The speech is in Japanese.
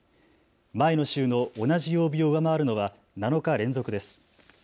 前の週の同じ曜日を上回るのは７日連続です。